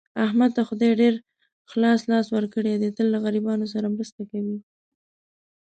احمد ته خدای ډېر خلاص لاس ورکړی دی، تل له غریبانو سره مرسته کوي.